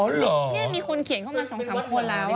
เนี่ยมีคนเขียนเข้ามาสองสามคนแล้วอ่ะ